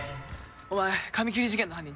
お前髪切り事件の犯人